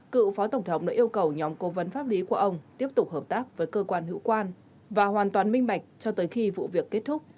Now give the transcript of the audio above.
cựu phó tổng thống đã yêu cầu nhóm cố vấn pháp lý của ông tiếp tục hợp tác với cơ quan hữu quan và hoàn toàn minh bạch cho tới khi vụ việc kết thúc